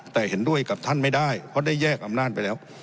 แต่เห็นด้วยกับท่านไม่ได้เพราะได้แยกอำนาจไปแล้ว